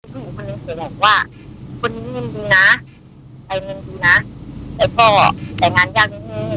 ก็คิดว่าคนนี้เงินดูนะใครเงินดูนะแต่งานยากนิดนึง